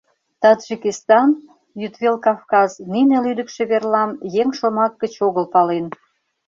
Таджикистан, Йӱдвел Кавказ — нине лӱдыкшӧ верлам еҥ шомак гыч огыл пален.